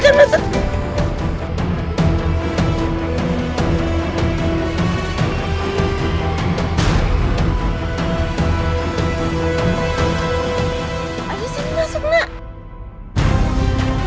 dar jauh dari sini nak